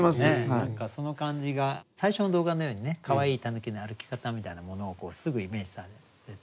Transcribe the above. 何かその感じが最初の動画のようにかわいい狸の歩き方みたいなものをすぐイメージさせてくれるようなね